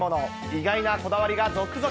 意外なこだわりが続々。